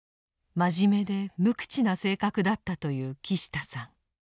真面目で無口な性格だったという木下さん。